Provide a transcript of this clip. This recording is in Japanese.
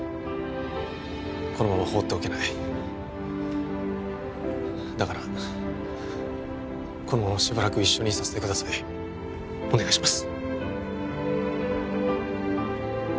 このまま放っておけないだからこのまましばらく一緒にいさせてくださいお願いします